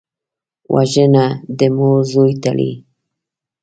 وژنه د مور زوی تړي